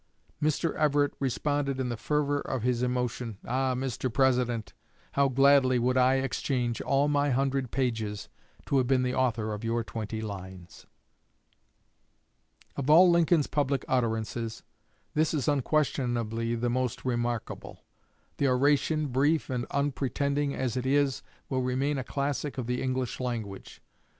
Mr. Everett responded in the fervor of his emotion, "Ah, Mr. President, how gladly would I exchange all my hundred pages to have been the author of your twenty lines!" Of all Lincoln's public utterances, this is unquestionably the most remarkable. The oration, brief and unpretending as it is, will remain a classic of the English language.